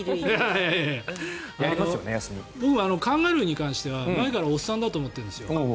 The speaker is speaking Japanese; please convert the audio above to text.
僕、カンガルーに関しては前からおっさんだと思ってるんです。